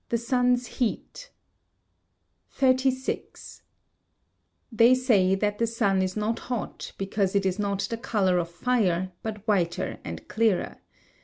[Sidenote: The Sun's Heat] 36. They say that the sun is not hot because it is not the colour of fire but whiter and clearer.